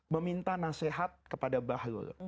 meminta nasihat kepada bahlul